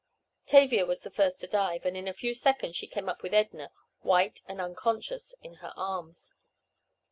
Tavia was the first to dive, and, in a few seconds she came up with Edna, white and unconscious, in her arms.